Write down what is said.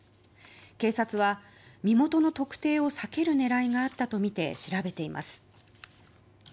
警察は身元の特定を避ける狙いがあったとみて調べています。